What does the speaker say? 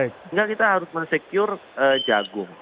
sehingga kita harus meresecure jagung